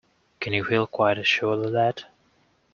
Can you feel quite assured of that?